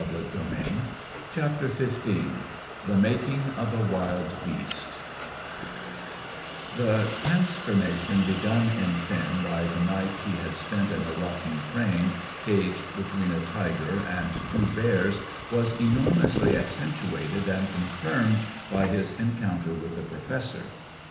CHAPTER XV THE MAKING OF A WILD BEAST The transformation begun in Finn by the night he had spent in a rocking train, caged between a tiger and two bears, was enormously accentuated and confirmed by his encounter with the Professor.